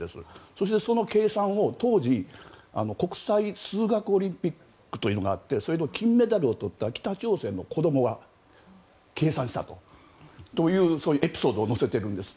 そしてその計算を、当時国際数学オリンピックというのがあってそれの金メダルを取った北朝鮮の子どもが計算したという、そういうエピソードを載せているんです。